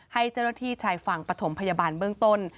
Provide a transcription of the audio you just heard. ให้เจ้าหน้าที่ชายฝั่งปฐมพยาบาลเบื้องต้น